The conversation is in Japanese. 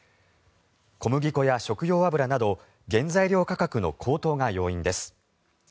小麦粉や食用油など原材料価格の高騰が要因です。